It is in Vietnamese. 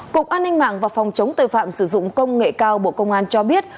cục an ninh mạng và phòng chống tội phạm sử dụng công nghệ cao bộ công an cho biết